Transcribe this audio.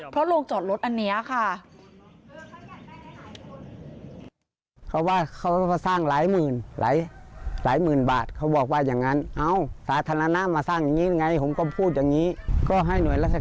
เพราะโรงจอดรถอันนี้ค่ะ